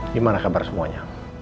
gimana kabar semuanya